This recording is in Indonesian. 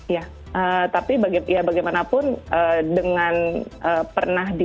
ya tapi ya bagaimanapun dengan pernah di